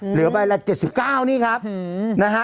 เหลือไปละเจ็ดสิบเก้านี่ครับหือนะฮะ